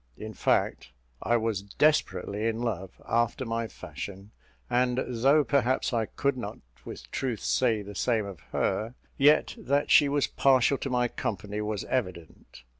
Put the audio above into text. In fact, I was desperately in love, after my fashion; and though perhaps I could not with truth say the same of her, yet that she was partial to my company was evident.